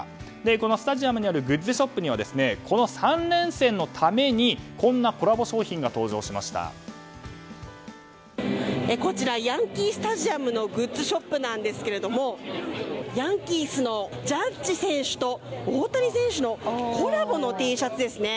このスタジアムにあるグッズショップではこの３連戦のためにこちら、ヤンキースタジアムのグッズショップなんですがヤンキースのジャッジ選手と大谷選手のコラボのＴシャツですね。